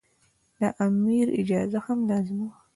د امیر اجازه هم لازمي وه.